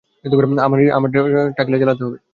আমার টাকিলা চালাতে হবে?